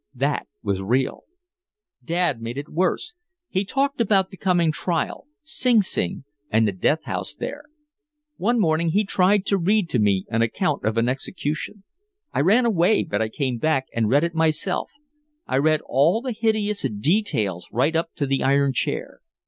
That was real. Dad made it worse. He talked about the coming trial, Sing Sing and the death house there. One morning he tried to read to me an account of an execution. I ran away, but I came back and read it myself, I read all the hideous details right up to the iron chair.